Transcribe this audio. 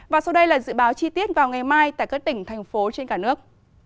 và sau đây là dự báo chi tiết vào ngày mai tại các tỉnh thành phố trên cả nước